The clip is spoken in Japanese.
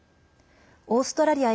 オーストラリア